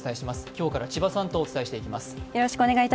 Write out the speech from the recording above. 今日から千葉さんとお伝えしていきます。